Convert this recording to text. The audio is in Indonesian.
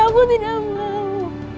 aku tidak mau